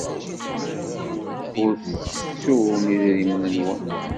Ur tettum idrimen-nwen.